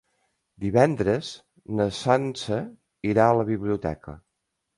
Divendres na Sança irà a la biblioteca.